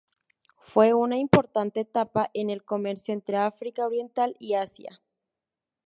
Fue una importante etapa en el comercio entre África Oriental y Asia.